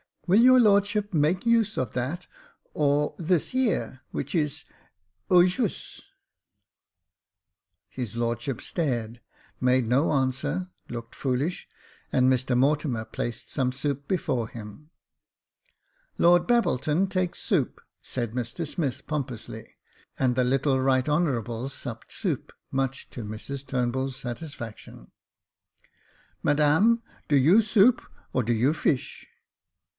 Will your lordship make use of that or of this here, which is djussT His lordship stared, made no answer ; looked foolish j and Mr Mortimer placed some soup before him. Jacob Faithful 141 *• Lord Babbletoa takes soup," said Mr Smith, pomp ously J and the little right honourable supped soup, much to Mrs Turnbuli's satisfaction. " Madame, do you soup ? or do you fish